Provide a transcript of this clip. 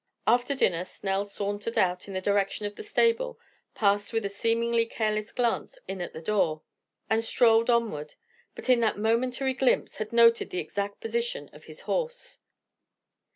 After dinner Snell sauntered out in the direction of the stable, passed with a seemingly careless glance in at the door, and strolled onward; but in that momentary glimpse had noted the exact position of his horse.